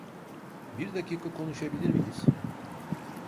Bir dakika konuşabilir miyiz?